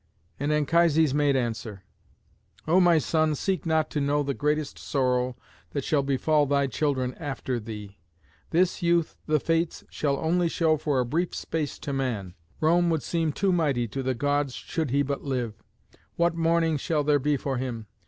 And Anchises made answer, "O my son, seek not to know the greatest sorrow that shall befall thy children after thee. This youth the Fates shall only show for a brief space to man. Rome would seem too mighty to the Gods should he but live! What mourning shall there be for him!